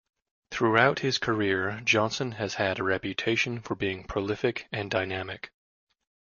Throughout his career, Johnson has had a reputation for being prolific and dynamic.